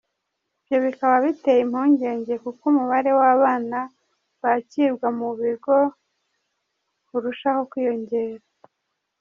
Ibyo bikaba biteye impungenge kuko umubare w’abana bakirwa mu bigo urushaho kwiyongera.